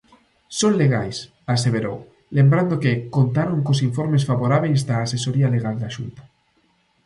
"Son legais", aseverou, lembrando que contaron cos informes favorábeis da asesoría legal da Xunta.